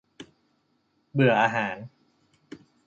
เบื่ออาหาร !